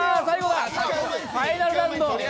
ファイナルラウンド。